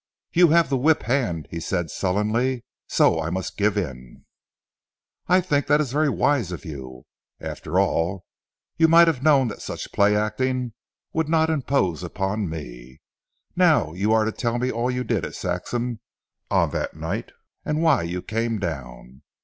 "You have the whip hand," he said sullenly, "so I must give in." "I think that is very wise of you. After all you might have known that such play acting would not impose upon me. Now you are to tell me all you did at Saxham on that night and why you came down.